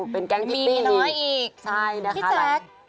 เป็นแก๊งพิตตี้อีกใช่นะคะหลายมีเมียน้อยอีก